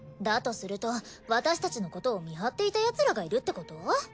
だとすると私たちのことを見張っていたヤツらがいるってこと？